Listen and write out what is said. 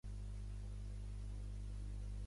El resultat és una música fosca, un to baix i trist.